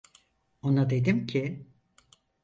Ona dedim ki…